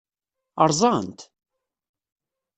Ṛṛẓan-t?